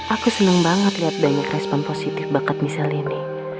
aku seneng banget liat banyak respon positif banget misal ini